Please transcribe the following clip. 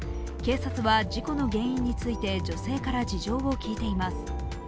警察は、事故の原因について女性から事情を聴いています。